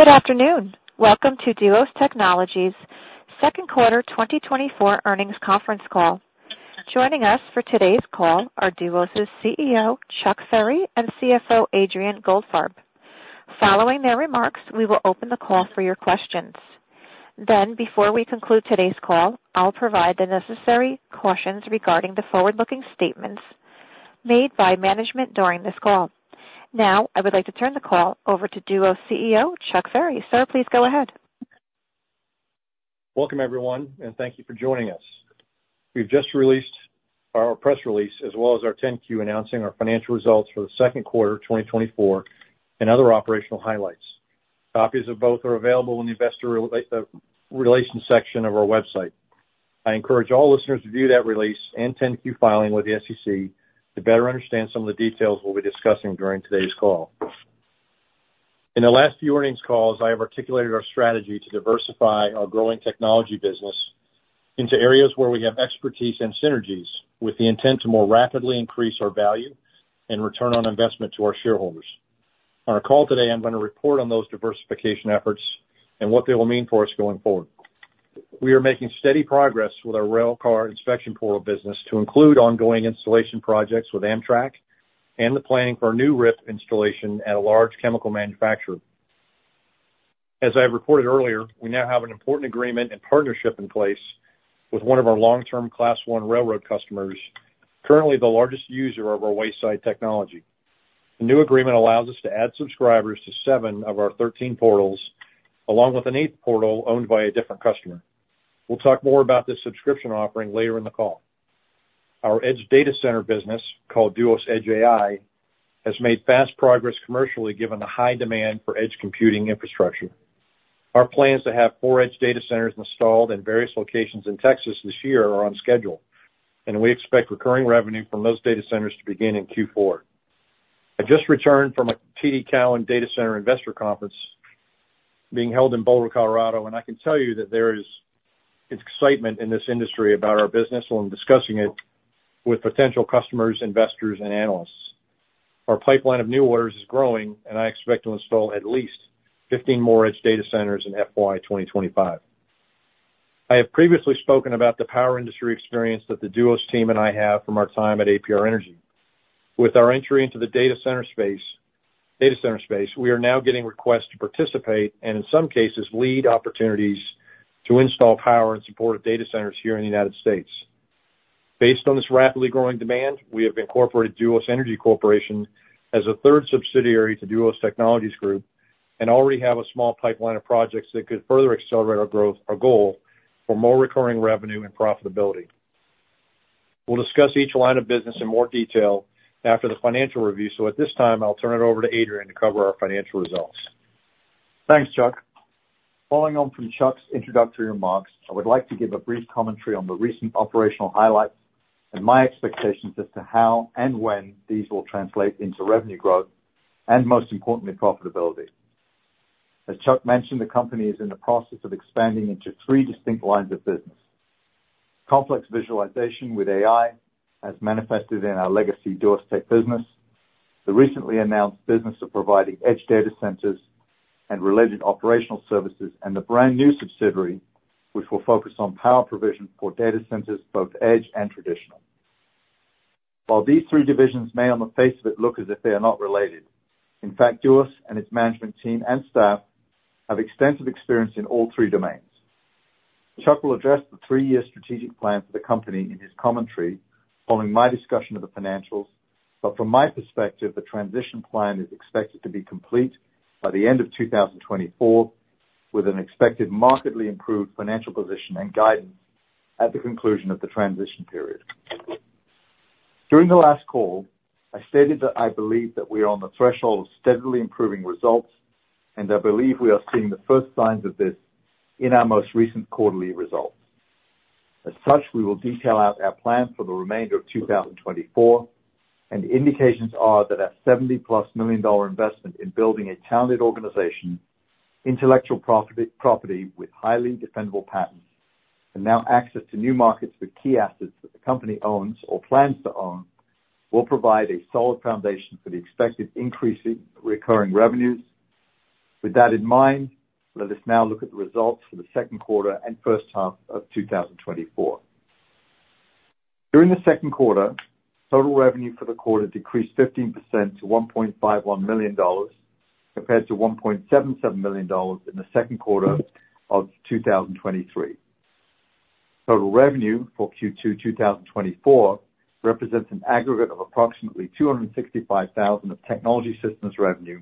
Good afternoon. Welcome to Duos Technologies' second quarter 2024 earnings conference call. Joining us for today's call are Duos' CEO, Chuck Ferry, and CFO, Adrian Goldfarb. Following their remarks, we will open the call for your questions. Then, before we conclude today's call, I'll provide the necessary cautions regarding the forward-looking statements made by management during this call. Now, I would like to turn the call over to Duos' CEO, Chuck Ferry. Sir, please go ahead. Welcome, everyone, and thank you for joining us. We've just released our press release, as well as our 10-Q, announcing our financial results for the second quarter of 2024 and other operational highlights. Copies of both are available in the investor relations section of our website. I encourage all listeners to view that release and 10-Q filing with the SEC to better understand some of the details we'll be discussing during today's call. In the last few earnings calls, I have articulated our strategy to diversify our growing technology business into areas where we have expertise and synergies, with the intent to more rapidly increase our value and return on investment to our shareholders. On our call today, I'm gonna report on those diversification efforts and what they will mean for us going forward. We are making steady progress with our railcar inspection portal business to include ongoing installation projects with Amtrak and the planning for a new RIP installation at a large chemical manufacturer. As I reported earlier, we now have an important agreement and partnership in place with one of our long-term Class I railroad customers, currently the largest user of our wayside technology. The new agreement allows us to add subscribers to 7 of our 13 portals, along with an 8th portal owned by a different customer. We'll talk more about this subscription offering later in the call. Our edge data center business, called Duos Edge AI, has made fast progress commercially, given the high demand for edge computing infrastructure. Our plans to have 4 edge data centers installed in various locations in Texas this year are on schedule, and we expect recurring revenue from those data centers to begin in Q4. I just returned from a TD Cowen Data Center Investor Conference being held in Boulder, Colorado, and I can tell you that there is excitement in this industry about our business when discussing it with potential customers, investors, and analysts. Our pipeline of new orders is growing, and I expect to install at least 15 more edge data centers in FY 2025. I have previously spoken about the power industry experience that the Duos team and I have from our time at APR Energy. With our entry into the data center space, data center space, we are now getting requests to participate and, in some cases, lead opportunities to install power in support of data centers here in the United States. Based on this rapidly growing demand, we have incorporated Duos Energy Corporation as a third subsidiary to Duos Technologies Group and already have a small pipeline of projects that could further accelerate our growth, our goal for more recurring revenue and profitability. We'll discuss each line of business in more detail after the financial review. At this time, I'll turn it over to Adrian to cover our financial results. Thanks, Chuck. Following on from Chuck's introductory remarks, I would like to give a brief commentary on the recent operational highlights and my expectations as to how and when these will translate into revenue growth and, most importantly, profitability. As Chuck mentioned, the company is in the process of expanding into three distinct lines of business: complex visualization with AI, as manifested in our legacy Duos Tech business, the recently announced business of providing edge data centers and related operational services, and the brand-new subsidiary, which will focus on power provision for data centers, both edge and traditional. While these three divisions may, on the face of it, look as if they are not related, in fact, Duos and its management team and staff have extensive experience in all three domains. Chuck will address the three-year strategic plan for the company in his commentary following my discussion of the financials, but from my perspective, the transition plan is expected to be complete by the end of 2024, with an expected markedly improved financial position and guidance at the conclusion of the transition period. During the last call, I stated that I believe that we are on the threshold of steadily improving results, and I believe we are seeing the first signs of this in our most recent quarterly results. As such, we will detail out our plan for the remainder of 2024, and indications are that our $70+ million investment in building a talented organization, intellectual property with highly dependable patents, and now access to new markets with key assets that the company owns or plans to own, will provide a solid foundation for the expected increase in recurring revenues. With that in mind, let us now look at the results for the second quarter and first half of 2024. During the second quarter, total revenue for the quarter decreased 15% to $1.51 million, compared to $1.77 million in the second quarter of 2023. Total revenue for Q2 2024 represents an aggregate of approximately $265,000 of technology systems revenue,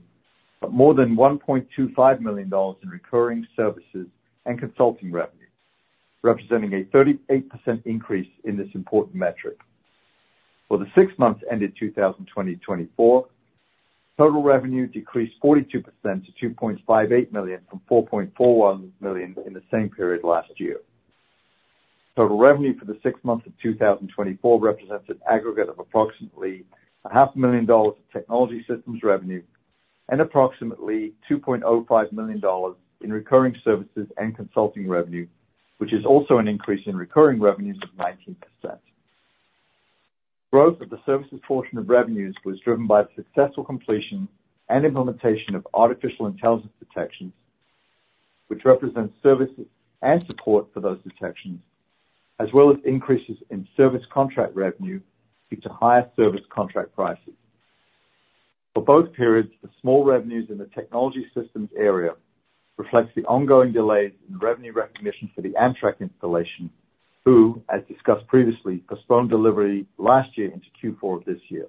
but more than $1.25 million in recurring services and consulting revenue, representing a 38% increase in this important metric. For the six months ended 2024, total revenue decreased 42% to $2.58 million, from $4.41 million in the same period last year. Total revenue for the six months of 2024 represents an aggregate of approximately $500,000 in technology systems revenue and approximately $2.05 million in recurring services and consulting revenue, which is also an increase in recurring revenues of 19%.... Growth of the services portion of revenues was driven by successful completion and implementation of artificial intelligence detections, which represents services and support for those detections, as well as increases in service contract revenue due to higher service contract prices. For both periods, the small revenues in the technology systems area reflects the ongoing delays in revenue recognition for the Amtrak installation, who, as discussed previously, postponed delivery last year into Q4 of this year.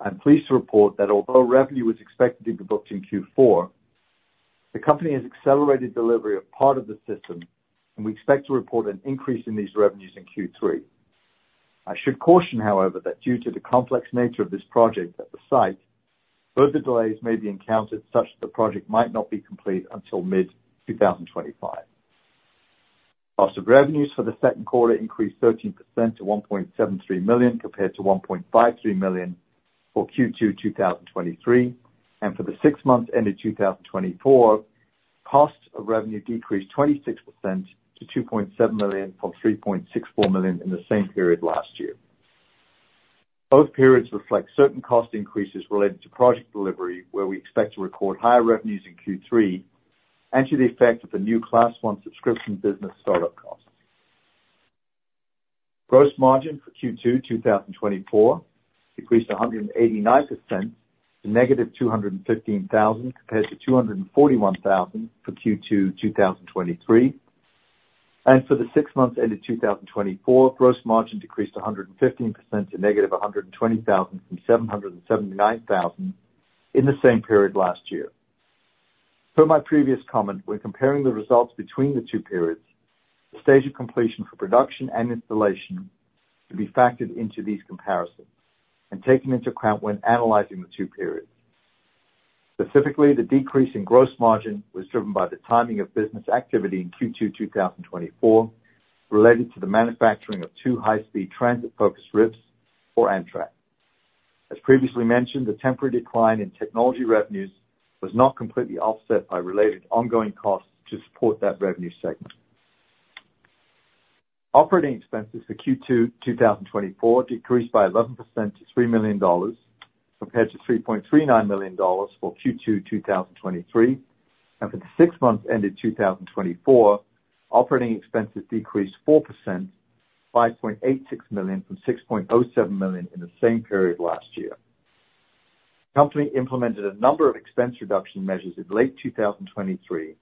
I'm pleased to report that although revenue is expected to be booked in Q4, the company has accelerated delivery of part of the system, and we expect to report an increase in these revenues in Q3. I should caution, however, that due to the complex nature of this project at the site, further delays may be encountered, such that the project might not be complete until mid-2025. Cost of revenues for the second quarter increased 13% to $1.73 million, compared to $1.53 million for Q2 2023, and for the six months ended 2024, costs of revenue decreased 26% to $2.7 million from $3.64 million in the same period last year. Both periods reflect certain cost increases related to project delivery, where we expect to record higher revenues in Q3 and to the effect of the new Class I subscription business startup costs. Gross margin for Q2 2024 decreased 189% to -$215,000, compared to $241,000 for Q2 2023. For the six months ended 2024, gross margin decreased 115% to -$120,000 from $779,000 in the same period last year. Per my previous comment, when comparing the results between the two periods, the stage of completion for production and installation should be factored into these comparisons and taken into account when analyzing the two periods. Specifically, the decrease in gross margin was driven by the timing of business activity in Q2 2024, related to the manufacturing of 2 high-speed transit-focused RIPs for Amtrak. As previously mentioned, the temporary decline in technology revenues was not completely offset by related ongoing costs to support that revenue segment. Operating expenses for Q2 2024 decreased by 11% to $3 million, compared to $3.39 million for Q2 2023. For the six months ended 2024, operating expenses decreased 4%, $5.86 million from $6.07 million in the same period last year. The company implemented a number of expense reduction measures in late 2023,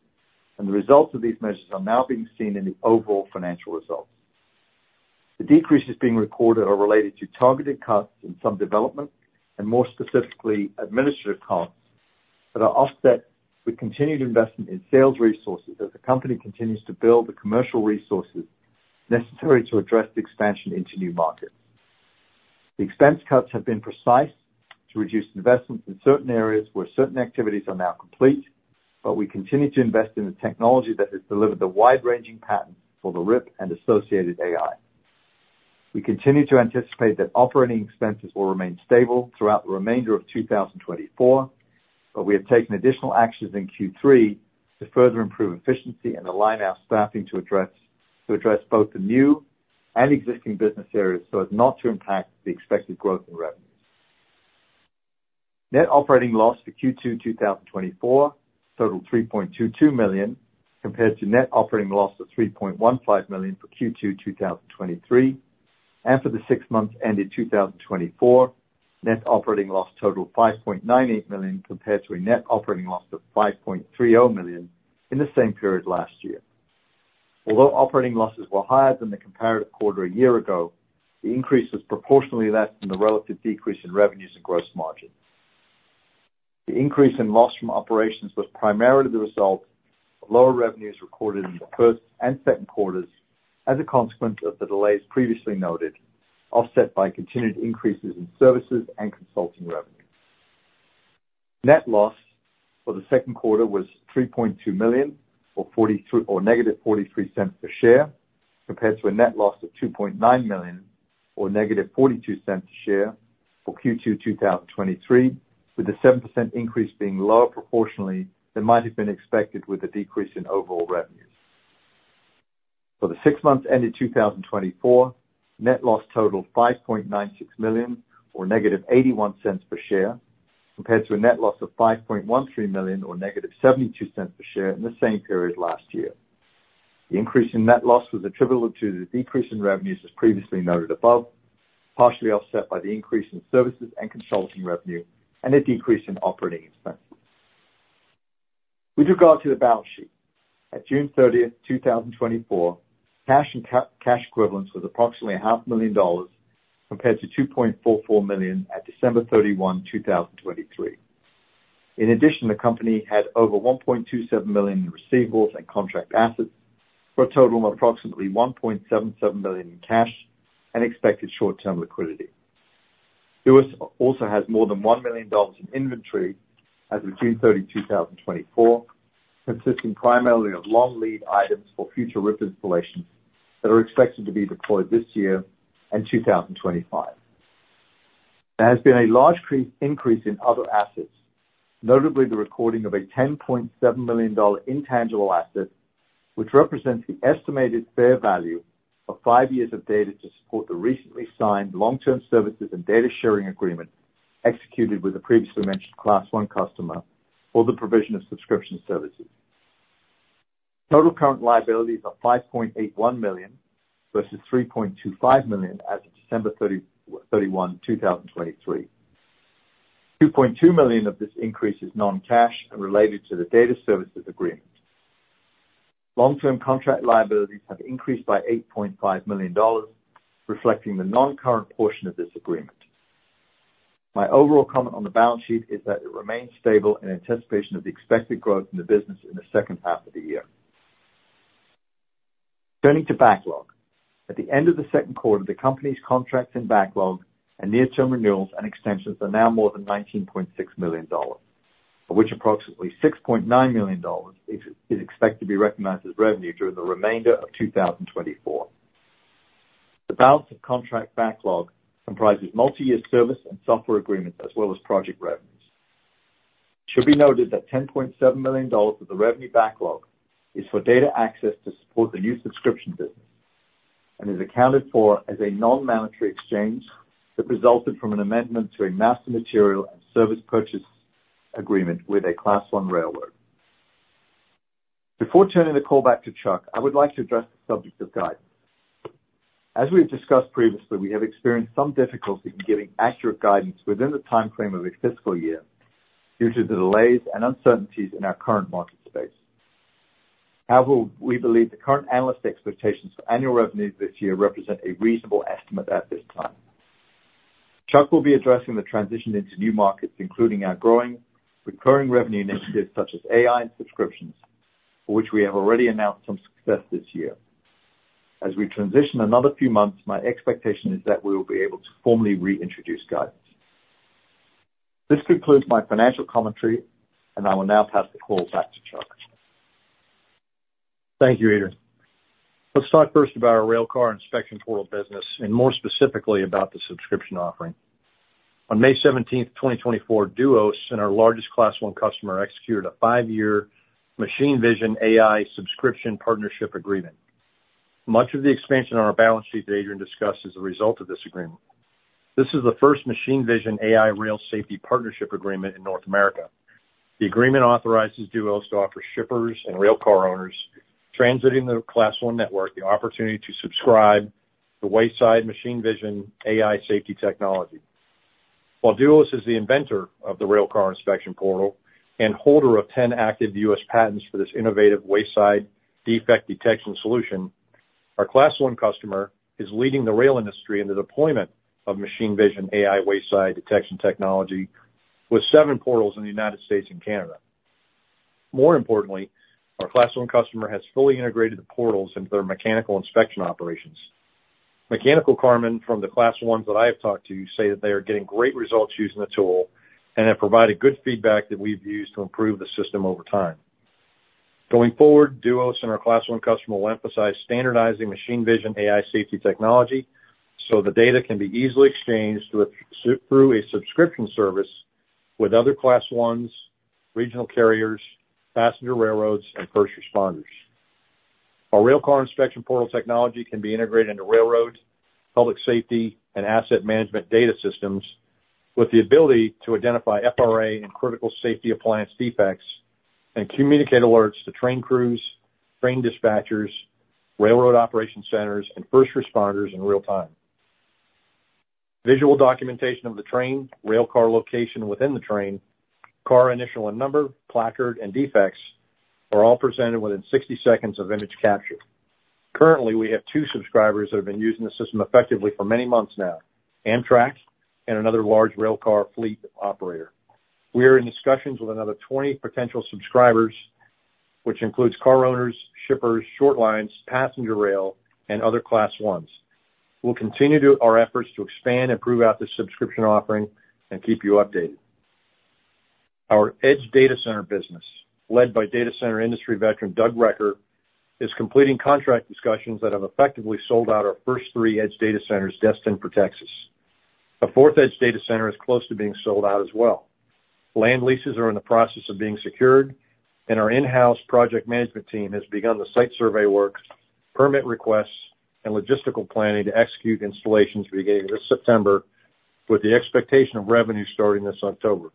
and the results of these measures are now being seen in the overall financial results. The decreases being recorded are related to targeted cuts in some development and, more specifically, administrative costs that are offset with continued investment in sales resources as the company continues to build the commercial resources necessary to address the expansion into new markets. The expense cuts have been precise to reduce investments in certain areas where certain activities are now complete, but we continue to invest in the technology that has delivered the wide-ranging patent for the RIP and associated AI. We continue to anticipate that operating expenses will remain stable throughout the remainder of 2024, but we have taken additional actions in Q3 to further improve efficiency and align our staffing to address both the new and existing business areas, so as not to impact the expected growth in revenues. Net operating loss for Q2 2024 totaled $3.22 million, compared to net operating loss of $3.15 million for Q2 2023. For the six months ended 2024, net operating loss totaled $5.98 million, compared to a net operating loss of $5.30 million in the same period last year. Although operating losses were higher than the comparative quarter a year ago, the increase was proportionately less than the relative decrease in revenues and gross margins. The increase in loss from operations was primarily the result of lower revenues recorded in the first and second quarters as a consequence of the delays previously noted, offset by continued increases in services and consulting revenues. Net loss for the second quarter was $3.2 million or negative 43 cents per share, compared to a net loss of $2.9 million, or negative 42 cents a share for Q2, 2023, with a 7% increase being lower proportionately than might have been expected with the decrease in overall revenues. For the six months ended 2024, net loss totaled $5.96 million, or -$0.81 per share, compared to a net loss of $5.13 million, or -$0.72 per share in the same period last year. The increase in net loss was attributable to the decrease in revenues, as previously noted above, partially offset by the increase in services and consulting revenue and a decrease in operating expenses. With regard to the balance sheet, at June 30, 2024, cash and cash equivalents was approximately $500,000, compared to $2.44 million at December 31, 2023. In addition, the company had over $1.27 million in receivables and contract assets, for a total of approximately $1.77 million in cash and expected short-term liquidity. Duos also has more than $1 million in inventory as of June 30, 2024, consisting primarily of long lead items for future RIP installations that are expected to be deployed this year and 2025. There has been a large increase in other assets, notably the recording of a $10.7 million intangible asset, which represents the estimated fair value of 5 years of data to support the recently signed long-term services and data sharing agreement executed with the previously mentioned Class I customer for the provision of subscription services. Total current liabilities are $5.81 million versus $3.25 million as of December 31, 2023. $2.2 million of this increase is non-cash and related to the data services agreement. Long-term contract liabilities have increased by $8.5 million, reflecting the non-current portion of this agreement. My overall comment on the balance sheet is that it remains stable in anticipation of the expected growth in the business in the second half of the year. Turning to backlog. At the end of the second quarter, the company's contracts and backlog and near-term renewals and extensions are now more than $19.6 million, of which approximately $6.9 million is expected to be recognized as revenue during the remainder of 2024. The balance of contract backlog comprises multi-year service and software agreements as well as project revenues. It should be noted that $10.7 million of the revenue backlog is for data access to support the new subscription business and is accounted for as a non-monetary exchange that resulted from an amendment to a master material and service purchase agreement with a Class I railroad. Before turning the call back to Chuck, I would like to address the subject of guidance. As we have discussed previously, we have experienced some difficulty in giving accurate guidance within the timeframe of a fiscal year due to the delays and uncertainties in our current market space. However, we believe the current analyst expectations for annual revenues this year represent a reasonable estimate at this time. Chuck will be addressing the transition into new markets, including our growing recurring revenue initiatives such as AI and subscriptions, for which we have already announced some success this year. As we transition another few months, my expectation is that we will be able to formally reintroduce guidance. This concludes my financial commentary, and I will now pass the call back to Chuck. Thank you, Adrian. Let's talk first about our railcar inspection portal business and more specifically about the subscription offering. On May 17, 2024, Duos and our largest Class I customer executed a 5-year machine vision AI subscription partnership agreement. Much of the expansion on our balance sheet that Adrian discussed is a result of this agreement. This is the first machine vision AI rail safety partnership agreement in North America. The agreement authorizes Duos to offer shippers and railcar owners transiting the Class I network the opportunity to subscribe to wayside machine vision AI safety technology. While Duos is the inventor of the railcar inspection portal and holder of 10 active U.S. patents for this innovative wayside defect detection solution, our Class I customer is leading the rail industry in the deployment of machine vision AI wayside detection technology with 7 portals in the United States and Canada. More importantly, our Class I customer has fully integrated the portals into their mechanical inspection operations. mechanical carmen from the Class I's that I have talked to say that they are getting great results using the tool and have provided good feedback that we've used to improve the system over time. Going forward, Duos and our Class I customer will emphasize standardizing machine vision AI safety technology, so the data can be easily exchanged through a subscription service with other Class I's, regional carriers, passenger railroads, and first responders. Our Railcar Inspection Portal technology can be integrated into railroad, public safety, and asset management data systems with the ability to identify FRA and critical safety appliance defects and communicate alerts to train crews, train dispatchers, railroad operation centers, and first responders in real time. Visual documentation of the train, railcar location within the train, car initial and number, placard, and defects are all presented within 60 seconds of image capture. Currently, we have 2 subscribers that have been using the system effectively for many months now, Amtrak and another large railcar fleet operator. We are in discussions with another 20 potential subscribers, which includes car owners, shippers, short lines, passenger rail, and other Class I's. We'll continue to do our efforts to expand and grow out this subscription offering and keep you updated. Our edge data center business, led by data center industry veteran Doug Recker, is completing contract discussions that have effectively sold out our first 3 edge data centers destined for Texas. A 4th edge data center is close to being sold out as well. Land leases are in the process of being secured, and our in-house project management team has begun the site survey works, permit requests, and logistical planning to execute installations beginning this September, with the expectation of revenue starting this October.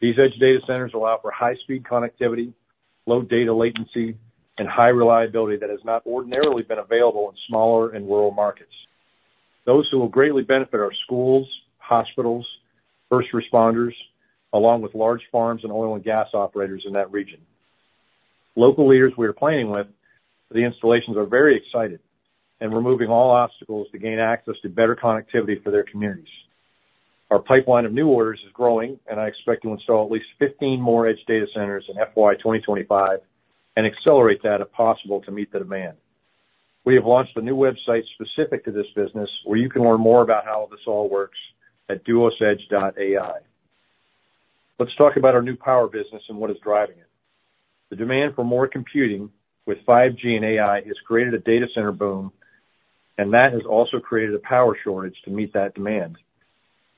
These edge data centers allow for high-speed connectivity, low data latency, and high reliability that has not ordinarily been available in smaller and rural markets. Those who will greatly benefit are schools, hospitals, first responders, along with large farms and oil and gas operators in that region. Local leaders we are planning with, the installations are very excited and removing all obstacles to gain access to better connectivity for their communities. Our pipeline of new orders is growing, and I expect to install at least 15 more edge data centers in FY 2025 and accelerate that, if possible, to meet the demand. We have launched a new website specific to this business, where you can learn more about how this all works at duosedge.ai.... Let's talk about our new power business and what is driving it. The demand for more computing with 5G and AI has created a data center boom, and that has also created a power shortage to meet that demand.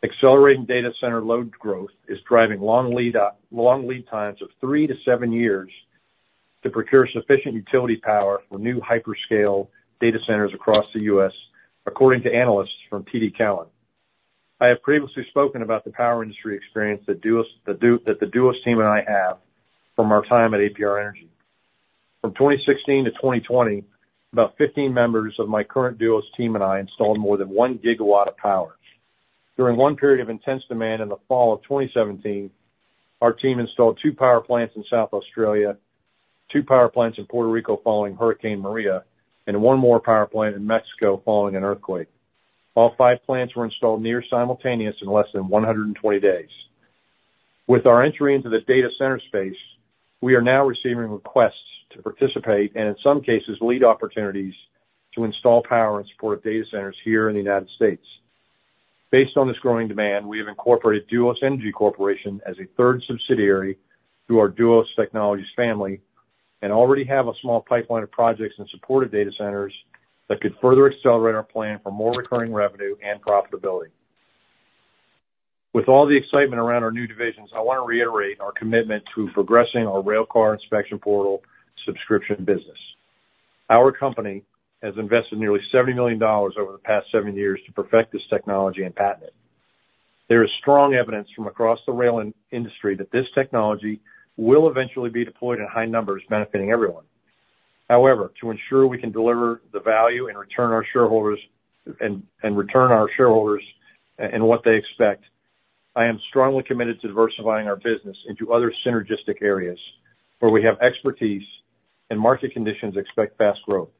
Accelerating data center load growth is driving long lead up, long lead times of 3-7 years to procure sufficient utility power for new hyperscale data centers across the U.S., according to analysts from TD Cowen. I have previously spoken about the power industry experience that Duos, that the Duos team and I have from our time at APR Energy. From 2016 to 2020, about 15 members of my current Duos team and I installed more than 1 gigawatt of power. During one period of intense demand in the fall of 2017, our team installed two power plants in South Australia, two power plants in Puerto Rico following Hurricane Maria, and one more power plant in Mexico following an earthquake. All five plants were installed nearly simultaneously in less than 120 days. With our entry into the data center space, we are now receiving requests to participate, and in some cases, lead opportunities to install power in support of data centers here in the United States. Based on this growing demand, we have incorporated Duos Energy Corporation as a third subsidiary through our Duos Technologies family and already have a small pipeline of projects and supported data centers that could further accelerate our plan for more recurring revenue and profitability. With all the excitement around our new divisions, I want to reiterate our commitment to progressing our railcar inspection portal subscription business. Our company has invested nearly $70 million over the past seven years to perfect this technology and patent it. There is strong evidence from across the rail industry that this technology will eventually be deployed in high numbers, benefiting everyone. However, to ensure we can deliver the value and return to our shareholders what they expect, I am strongly committed to diversifying our business into other synergistic areas where we have expertise and market conditions expect fast growth.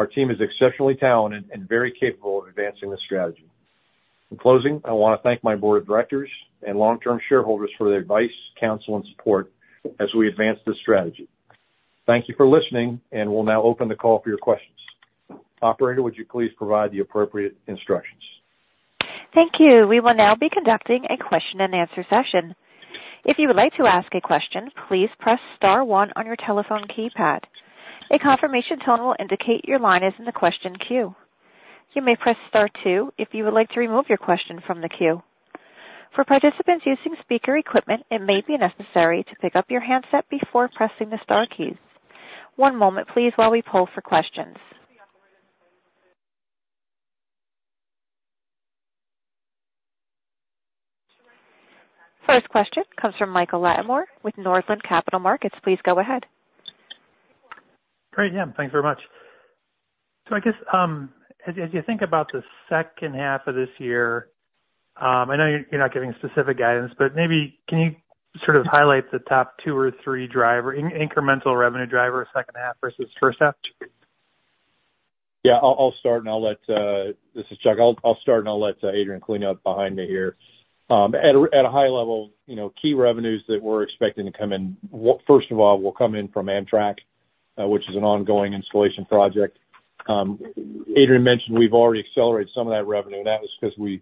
Our team is exceptionally talented and very capable of advancing this strategy. In closing, I want to thank my board of directors and long-term shareholders for their advice, counsel, and support as we advance this strategy. Thank you for listening, and we'll now open the call for your questions. Operator, would you please provide the appropriate instructions? Thank you. We will now be conducting a question-and-answer session. If you would like to ask a question, please press star one on your telephone keypad. A confirmation tone will indicate your line is in the question queue. You may press star two if you would like to remove your question from the queue. For participants using speaker equipment, it may be necessary to pick up your handset before pressing the star keys. One moment, please, while we poll for questions. First question comes from Michael Latimore with Northland Capital Markets. Please go ahead. Great, Jim. Thanks very much. So I guess, as you think about the second half of this year, I know you're, you're not giving specific guidance, but maybe can you sort of highlight the top two or three driver, incremental revenue drivers, second half versus first half? Yeah, I'll start, and I'll let... This is Chuck. I'll start, and I'll let Adrian clean up behind me here. At a high level, you know, key revenues that we're expecting to come in, first of all, will come in from Amtrak, which is an ongoing installation project. Adrian mentioned we've already accelerated some of that revenue, and that was because we've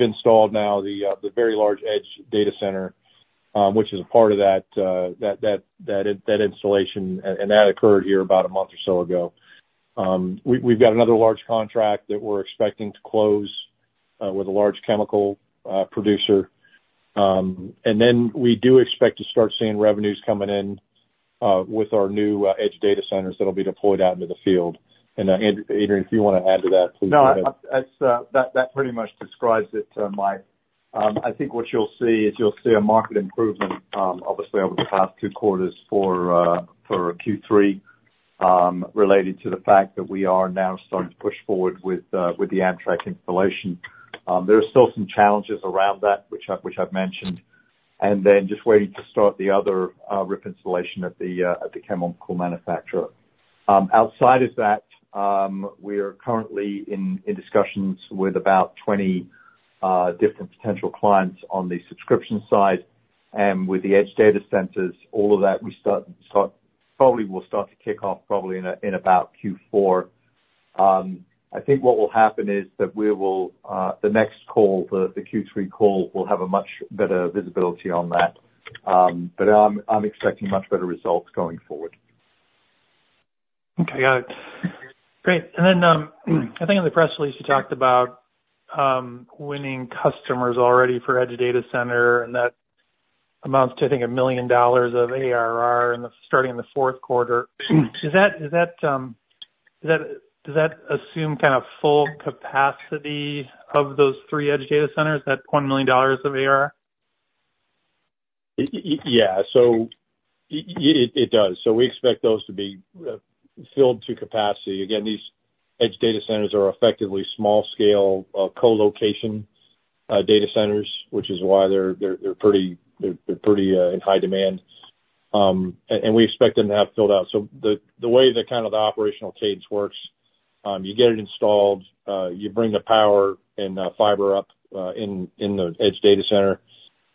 installed now the very large edge data center, which is a part of that installation, and that occurred here about a month or so ago. We've got another large contract that we're expecting to close with a large chemical producer. And then we do expect to start seeing revenues coming in with our new edge data centers that'll be deployed out into the field. And, Adrian, if you want to add to that, please go ahead. No, that's that pretty much describes it, Mike. I think what you'll see is a market improvement, obviously, over the past two quarters for Q3, related to the fact that we are now starting to push forward with the Amtrak installation. There are still some challenges around that, which I've mentioned, and then just waiting to start the other RIP installation at the chemical manufacturer. Outside of that, we are currently in discussions with about 20 different potential clients on the subscription side and with the edge data centers, all of that probably will start to kick off probably in about Q4. I think what will happen is that we will the next call, the Q3 call, will have a much better visibility on that. But I'm expecting much better results going forward. Okay, got it. Great. And then, I think in the press release, you talked about winning customers already for Edge Data Center, and that amounts to, I think, $1 million of ARR starting in the fourth quarter. Is that, does that assume kind of full capacity of those three edge data centers, that $1 million of ARR? Yeah, so it does. So we expect those to be filled to capacity. Again, these edge data centers are effectively small scale co-location data centers, which is why they're pretty in high demand. And we expect them to have filled out. So the way that kind of the operational cadence works, you get it installed, you bring the power and fiber up in the edge data center,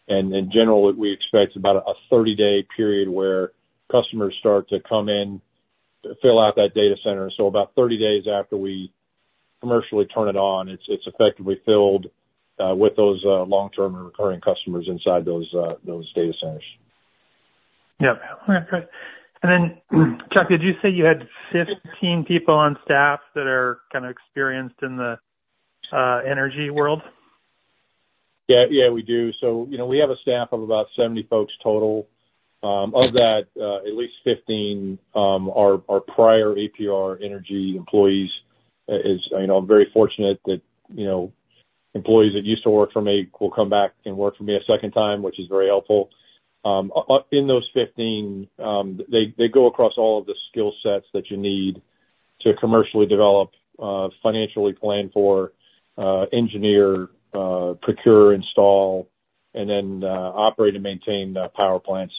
and in general, we expect about a 30-day period where customers start to come in, fill out that data center. So about 30 days after we commercially turn it on, it's effectively filled with those long-term and recurring customers inside those data centers. Yep. Okay. And then, Chuck, did you say you had 15 people on staff that are kind of experienced in the energy world? Yeah. Yeah, we do. So, you know, we have a staff of about 70 folks total. Of that, at least 15 are prior APR Energy employees. You know, I'm very fortunate that, you know, employees that used to work for me will come back and work for me a second time, which is very helpful. In those 15, they go across all of the skill sets that you need to commercially develop, financially plan for, engineer, procure, install, and then operate and maintain the power plants.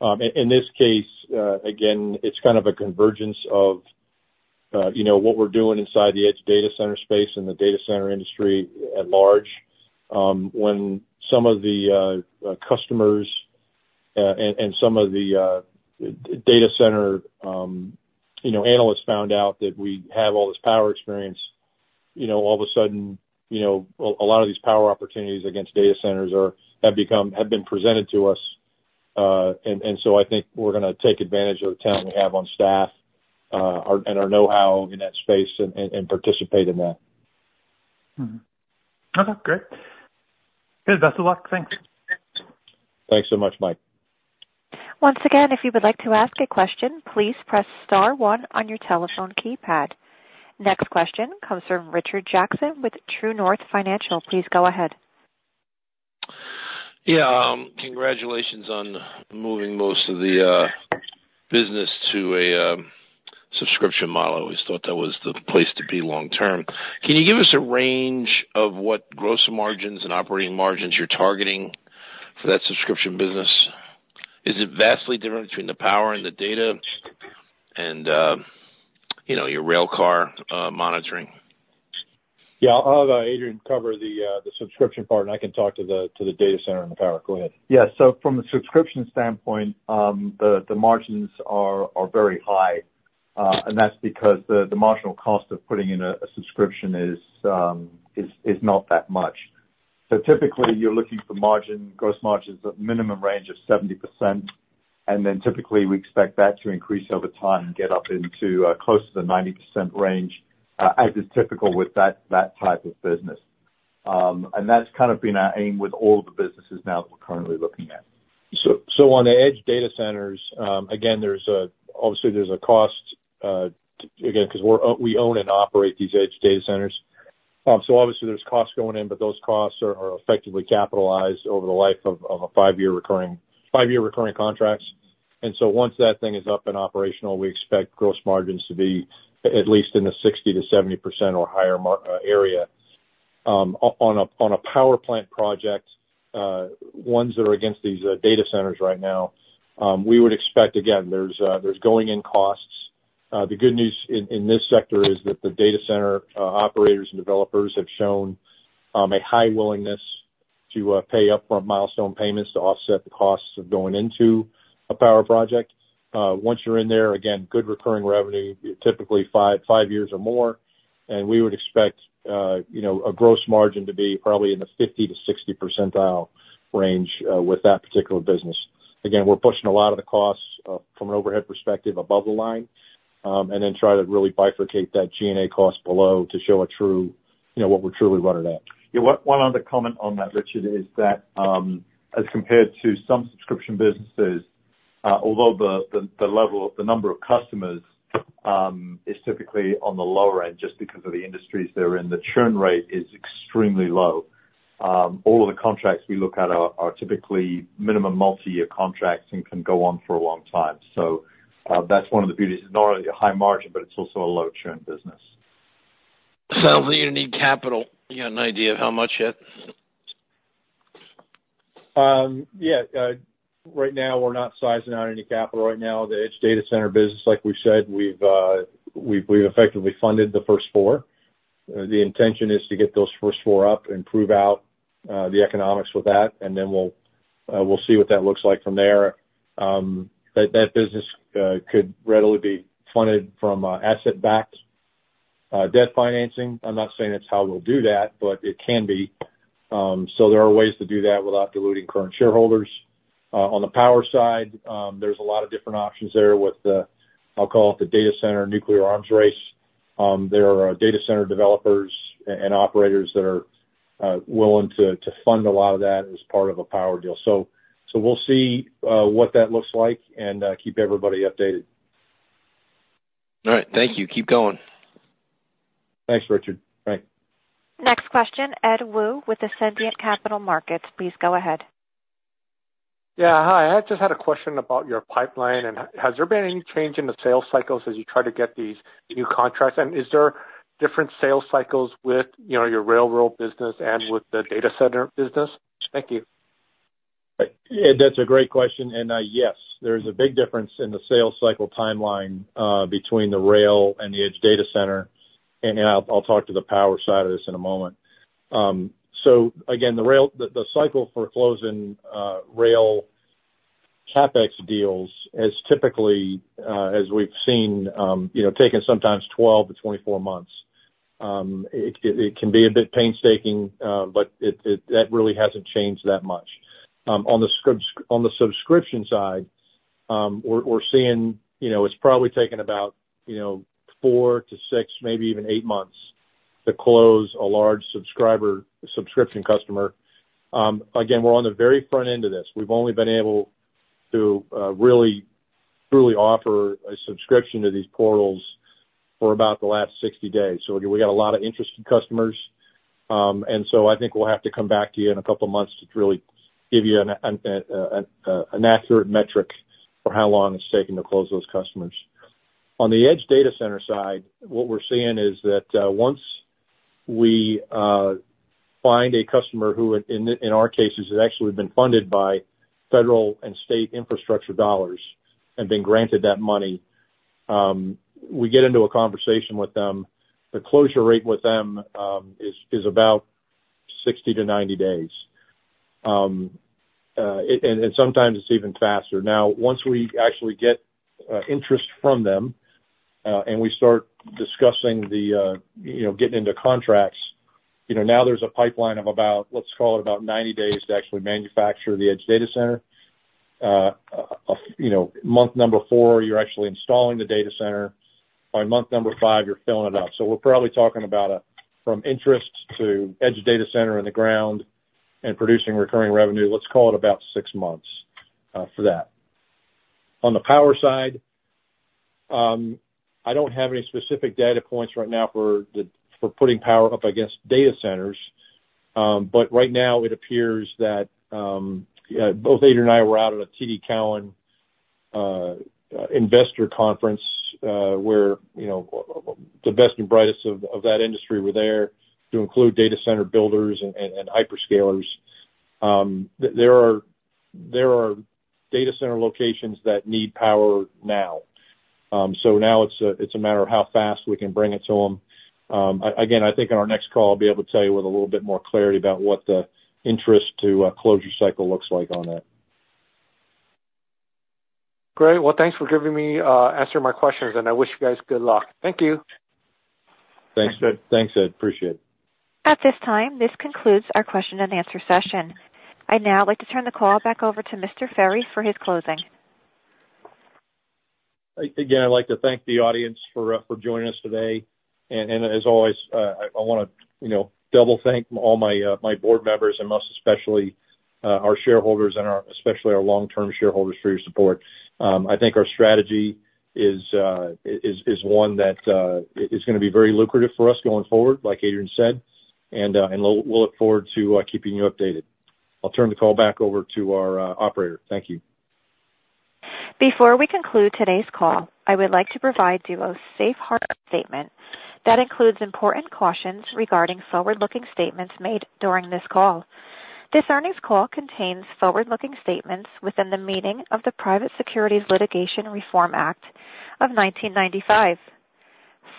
In this case, again, it's kind of a convergence of, you know, what we're doing inside the edge data center space and the data center industry at large. When some of the customers and some of the data center, you know, analysts found out that we have all this power experience, you know, all of a sudden, you know, a lot of these power opportunities against data centers are, have become have been presented to us. And so I think we're gonna take advantage of the talent we have on staff, our and our know-how in that space and participate in that. Mm-hmm. Okay, great. Good, best of luck. Thanks. Thanks so much, Mike. Once again, if you would like to ask a question, please press star one on your telephone keypad. Next question comes from Richard Jackson with True North Financial. Please go ahead. Yeah, congratulations on moving most of the business to a subscription model. I always thought that was the place to be long term. Can you give us a range of what gross margins and operating margins you're targeting for that subscription business? Is it vastly different between the power and the data and, you know, your railcar monitoring? Yeah, I'll have Adrian cover the subscription part, and I can talk to the data center and the power. Go ahead. Yeah. So from a subscription standpoint, the margins are very high, and that's because the marginal cost of putting in a subscription is not that much. So typically, you're looking for gross margins of minimum range of 70%, and then, typically, we expect that to increase over time and get up into close to the 90% range, as is typical with that type of business. And that's kind of been our aim with all of the businesses now that we're currently looking at. So on the edge data centers, again, there's obviously a cost, again, because we own and operate these edge data centers. So obviously, there's costs going in, but those costs are effectively capitalized over the life of a five-year recurring, five-year recurring contracts. And so once that thing is up and operational, we expect gross margins to be at least in the 60%-70% or higher margin area. On a power plant project, ones that are against these data centers right now, we would expect, again, there's going in costs. The good news in this sector is that the data center operators and developers have shown a high willingness to pay up front milestone payments to offset the costs of going into a power project. Once you're in there, again, good recurring revenue, typically 5 years or more. And we would expect, you know, a gross margin to be probably in the 50-60% range with that particular business. Again, we're pushing a lot of the costs from an overhead perspective above the line, and then try to really bifurcate that GNA cost below to show a true, you know, what we're truly running at. Yeah, one other comment on that, Richard, is that as compared to some subscription businesses, although the level, the number of customers is typically on the lower end just because of the industries they're in, the churn rate is extremely low. All of the contracts we look at are typically minimum multi-year contracts and can go on for a long time. So, that's one of the beauties. It's not only a high margin, but it's also a low churn business. Sounds like you need capital. You got an idea of how much yet? Yeah. Right now, we're not sizing out any capital right now. The edge data center business, like we said, we've effectively funded the first four. The intention is to get those first four up and prove out the economics with that, and then we'll see what that looks like from there. But that business could readily be funded from asset-backed debt financing. I'm not saying that's how we'll do that, but it can be. So there are ways to do that without diluting current shareholders. On the power side, there's a lot of different options there with the, I'll call it the data center, nuclear arms race. There are data center developers and operators that are willing to fund a lot of that as part of a power deal. So we'll see what that looks like and keep everybody updated. All right. Thank you. Keep going. Thanks, Richard. Bye. Next question, Ed Woo with Ascendiant Capital Markets. Please go ahead. Yeah. Hi, I just had a question about your pipeline, and has there been any change in the sales cycles as you try to get these new contracts? And is there different sales cycles with, you know, your railroad business and with the data center business? Thank you. Yeah, that's a great question, and, yes, there's a big difference in the sales cycle timeline between the rail and the edge data center. And I'll talk to the power side of this in a moment. So again, the rail, the cycle for closing rail CapEx deals is typically, as we've seen, you know, taking sometimes 12-24 months. It can be a bit painstaking, but it-- that really hasn't changed that much. On the subscription side, we're seeing, you know, it's probably taken about, you know, 4-6, maybe even 8 months to close a large subscriber subscription customer. Again, we're on the very front end of this. We've only been able to really, truly offer a subscription to these portals for about the last 60 days. So again, we got a lot of interested customers. And so I think we'll have to come back to you in a couple of months to really give you an accurate metric for how long it's taking to close those customers. On the edge data center side, what we're seeing is that once we find a customer who, in our cases, has actually been funded by federal and state infrastructure dollars and been granted that money, we get into a conversation with them. The closure rate with them is about 60-90 days. And sometimes it's even faster. Now, once we actually get interest from them, and we start discussing the, you know, getting into contracts, you know, now there's a pipeline of about, let's call it, about 90 days to actually manufacture the edge data center. You know, month number 4, you're actually installing the data center. By month number 5, you're filling it up. So we're probably talking about, from interest to edge data center in the ground and producing recurring revenue, let's call it about 6 months, for that. On the power side, I don't have any specific data points right now for putting power up against data centers. But right now, it appears that both Adrian and I were out at a TD Cowen investor conference, where you know the best and brightest of that industry were there to include data center builders and hyperscalers. There are data center locations that need power now. So now it's a matter of how fast we can bring it to them. Again, I think on our next call, I'll be able to tell you with a little bit more clarity about what the interest to closure cycle looks like on that. Great. Well, thanks for giving me, answering my questions, and I wish you guys good luck. Thank you. Thanks, Ed. Thanks, Ed. Appreciate it. At this time, this concludes our question and answer session. I'd now like to turn the call back over to Mr. Ferry for his closing. Again, I'd like to thank the audience for, for joining us today. And, and as always, I, I wanna, you know, double thank all my, my board members and most especially, our shareholders and our, especially our long-term shareholders for your support. I think our strategy is, is, is one that, is gonna be very lucrative for us going forward, like Adrian said, and, and we'll, we'll look forward to, keeping you updated. I'll turn the call back over to our, operator. Thank you. Before we conclude today's call, I would like to provide Duos' safe harbor statement that includes important cautions regarding forward-looking statements made during this call. This earnings call contains forward-looking statements within the meaning of the Private Securities Litigation Reform Act of 1995.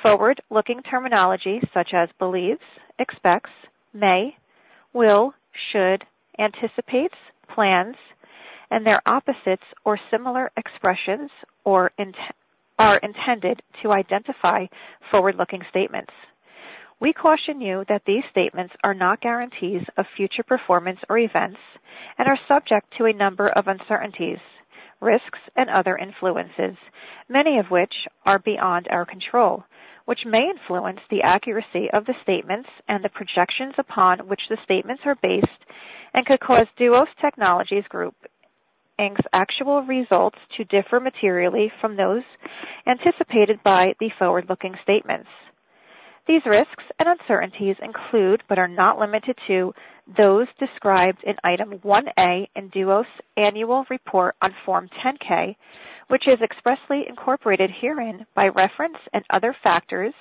Forward-looking terminology such as believes, expects, may, will, should, anticipates, plans, and their opposites or similar expressions are intended to identify forward-looking statements. We caution you that these statements are not guarantees of future performance or events, and are subject to a number of uncertainties, risks, and other influences, many of which are beyond our control, which may influence the accuracy of the statements and the projections upon which the statements are based, and could cause Duos Technologies Group Inc.'s actual results to differ materially from those anticipated by the forward-looking statements. These risks and uncertainties include, but are not limited to, those described in Item 1A in Duos' annual report on Form 10-K, which is expressly incorporated herein by reference and other factors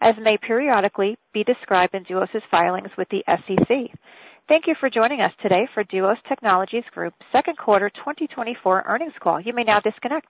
as may periodically be described in Duos' filings with the SEC. Thank you for joining us today for Duos Technologies Group's second quarter 2024 earnings call. You may now disconnect.